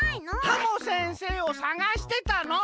ハモ先生を探してたの！